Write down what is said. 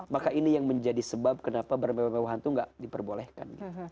maka ini yang menjadi sebab kenapa bermewahan tuh gak diperbolehkan